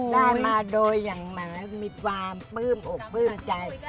ลามาโดยอย่างมะมีความปื้มอกปื้มใจ